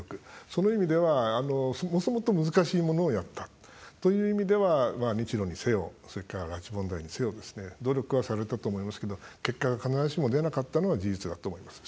その意味ではもともと難しいものをやったという意味では、日ロにせよそれから、拉致問題にせよですね努力はされたと思いますけど結果が必ずしも出なかったのは事実だと思います。